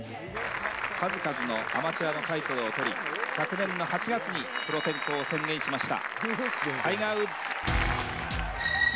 数々のアマチュアのタイトルを取り、昨年の８月にプロ転向を宣言しました。